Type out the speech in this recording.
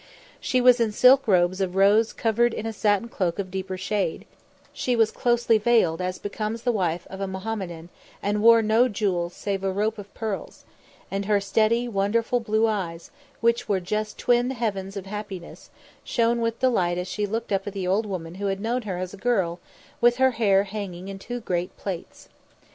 She was in silk robes of rose covered in a satin cloak of deeper shade; she was closely veiled as becomes the wife of a Mohammedan, and wore no jewels save a rope of pearls; and her steady, wonderful blue eyes, which were just twin heavens of happiness, shone with delight as she looked up at the old woman who had known her as a girl, with her hair hanging in two great plaits.